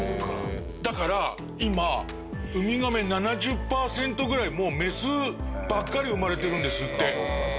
だから今ウミガメ７０パーセントぐらいもうメスばっかり生まれてるんですって。